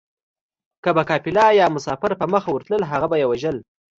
که به قافله يا مسافر په مخه ورتلل هغه به يې وژل